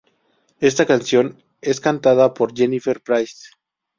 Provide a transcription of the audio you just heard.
Esta canción es cantada por Jennifer Price.